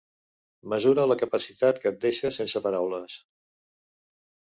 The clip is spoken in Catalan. Mesura de capacitat que et deixa sense paraules.